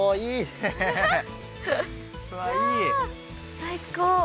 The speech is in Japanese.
最高！